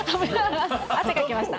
汗かきました。